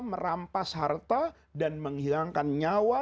merampas harta dan menghilangkan nyawa